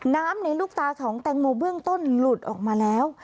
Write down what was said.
ในลูกตาของแตงโมเบื้องต้นหลุดออกมาแล้ว